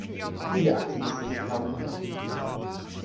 Viele Aktivisten kamen in Haft.